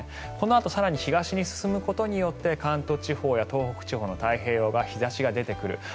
このあと更に東に進むことによって関東地方や東北地方の太平洋側日差しが出てくる。